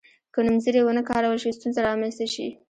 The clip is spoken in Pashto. که نومځري ونه کارول شي ستونزه رامنځته شي.